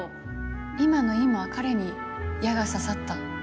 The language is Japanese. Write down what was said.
今の今彼に矢が刺さった。